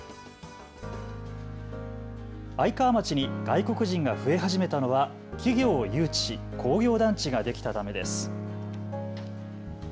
愛川町に外国人が増え始めたのは企業を誘致し工業団地ができたためです。